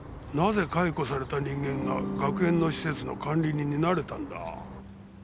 なぜ解雇された人間が学園の施設の管理人になれたんだ？